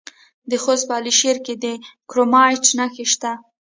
د خوست په علي شیر کې د کرومایټ نښې شته.